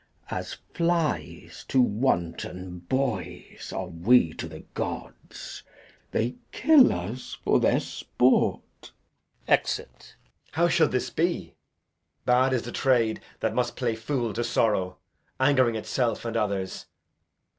As flies to wanton boys are we to th' gods. They kill us for their sport. Edg. [aside] How should this be? Bad is the trade that must play fool to sorrow, Ang'ring itself and others.